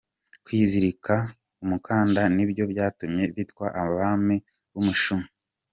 Kwizirika umukanda ni byo byatumye bitwa abami b’umushumi